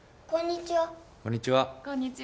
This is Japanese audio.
こんにちは。